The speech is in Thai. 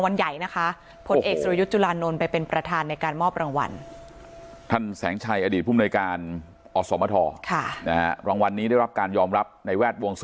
นี้ฉันไปเป็นพิธีกรข้างวันนี้